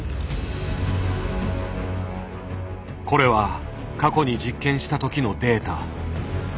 これは過去に実験した時のデータ。